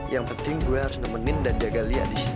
yang penting gue harus nemenin dan jaga lia disini